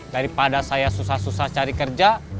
daripada saya susah susah cari kerja